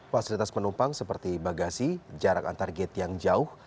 fasilitas penumpang seperti bagasi jarak antar gate yang jauh